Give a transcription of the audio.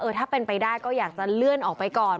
ถ้าเป็นไปได้ก็อยากจะเลื่อนออกไปก่อน